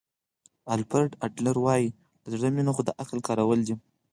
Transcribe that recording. الفرډ اډلر وایي له زړه مینه خو د عقل کارول دي.